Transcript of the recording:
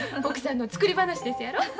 奥さんの作り話ですやろ？